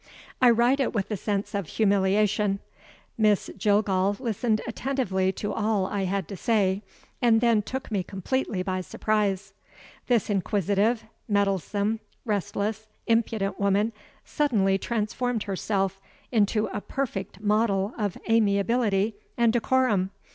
I write it with a sense of humiliation; Miss Jillgall listened attentively to all I had to say and then took me completely by surprise. This inquisitive, meddlesome, restless, impudent woman suddenly transformed herself into a perfect model of amiability and decorum.